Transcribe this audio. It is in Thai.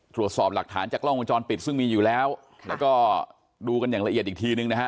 ตรวจสอบหลักฐานจากกล้องวงจรปิดซึ่งมีอยู่แล้วแล้วก็ดูกันอย่างละเอียดอีกทีนึงนะฮะ